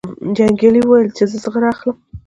جنګیالي وویل چې زه زغره اخلم.